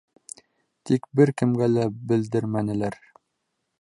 Тик бер кемгә лә белдермәнеләр.